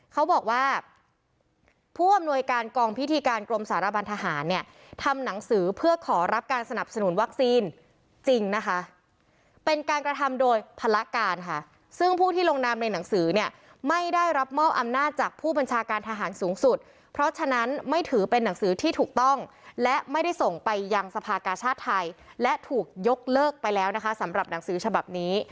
เขาบอกว่าผู้อำนวยการกองพิธีการกรมสารบันทหารเนี่ยทำหนังสือเพื่อขอรับการสนับสนุนวัคซีนจริงนะคะเป็นการกระทำโดยภาระการค่ะซึ่งผู้ที่ลงนามในหนังสือเนี่ยไม่ได้รับมอบอำนาจจากผู้บัญชาการทหารสูงสุดเพราะฉะนั้นไม่ถือเป็นหนังสือที่ถูกต้องและไม่ได้ส่งไปยังสภากาชาติไทยและถูกยกเลิกไปแล้วนะคะสำหรับหนังสือฉบับนี้